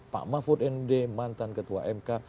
pak mahfud md mantan ketua mk